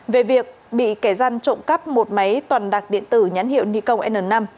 về việc bị kẻ gian trộm cắp một máy toàn đặc điện tử nhắn hiệu nikon n năm